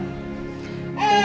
terserah oma sayang